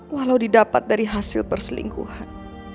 walau didapat dari hasil perselingkuhan